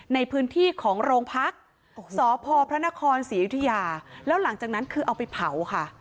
ในพื้นที่ของโรงพักษ์สพพระนครศรีอยุธยาแล้วหลังจากนั้นคือเอาไปเผาค่ะ